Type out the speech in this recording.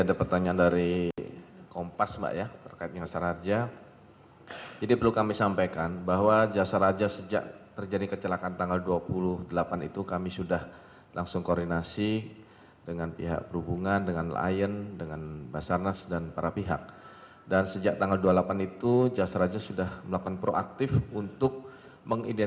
apa yang menjadi harapan apa yang menjadi keinginan tetap akan kita tampung